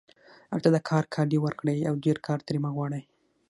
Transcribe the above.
هغه ته د کار کالي ورکړئ او ډېر کار ترې مه غواړئ